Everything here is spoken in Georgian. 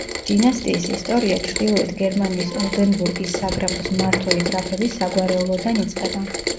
დინასტიის ისტორია ჩრდილოეთ გერმანიის ოლდენბურგის საგრაფოს მმართველი გრაფების საგვარეულოდან იწყება.